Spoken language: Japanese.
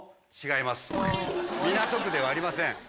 違います港区ではありません。